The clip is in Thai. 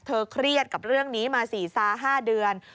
เครียดกับเรื่องนี้มา๔๕เดือน